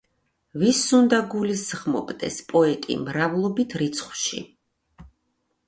ვის უნდა გულისხმობდეს პოეტი მრავლობით რიცხვში?